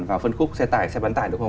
và phân khúc xe tải xe bán tải đúng không